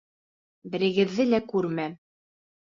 Берегеҙҙе лә күрмәм!